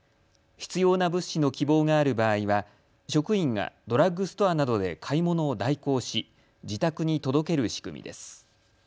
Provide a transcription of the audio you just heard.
必要な物資の希望がある場合は職員がドラッグストアなどで買い物を代行し自宅に届ける仕組みです。